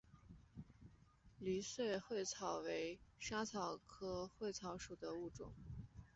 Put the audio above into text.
离穗薹草为莎草科薹草属的植物。